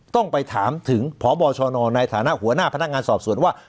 ต้องไปถามถึงพบชนในฐานะหัวหน้าพนักงานสอบสวนว่า